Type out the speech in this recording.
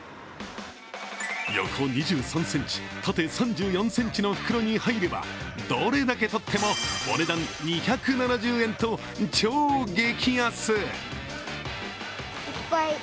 横２３ｃｍ、縦３４ｃｍの袋に入ればどれだけとってもお値段２７０円と超激安。